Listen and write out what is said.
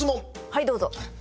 はいどうぞ。